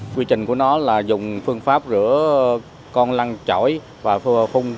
quy trình của nó là dùng phương pháp rửa con lăng chổi và phung